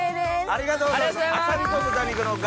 ありがとうございます！